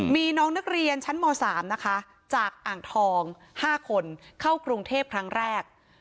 มีน้องนักเรียนชั้นม๓นะคะจากอ่างทอง๕คนเข้ากรุงเทพครั้งแรก